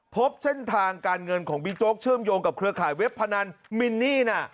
พบเส้นทางการเงินของบิ๊กโจ๊กเชื่อมโยงกับเครือข่ายเว็บพนันมินนี่น่ะ